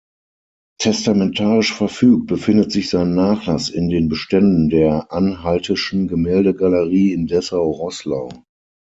Testamentarisch verfügt, befindet sich sein Nachlass in den Beständen der Anhaltischen Gemäldegalerie in Dessau-Roßlau.